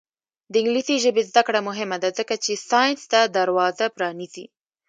د انګلیسي ژبې زده کړه مهمه ده ځکه چې ساینس ته دروازه پرانیزي.